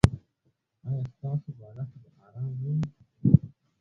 ایا ستاسو بالښت به ارام نه وي؟